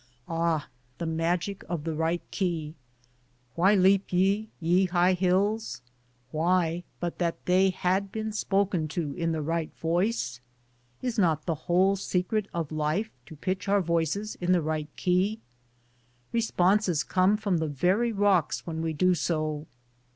Ah, the magic of the right key! "Why leap ye, ye high hills ?" why, but that they had been spoken to in the right voice ? Is not the whole secret of life to pitch our voices in the right key ? Eesponses come from the very rocks when we do so.